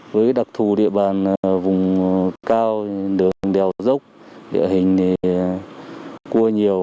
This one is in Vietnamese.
với đặc thù địa bàn vùng cao đường đèo rốc địa hình cua nhiều